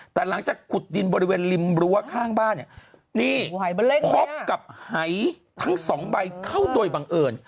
แต่หลังจากขุดดินบริเวณริมรั้วข้างบ้านเนี่ยนี่พบกับหายทั้งสองใบเข้าโดยบังเอิญ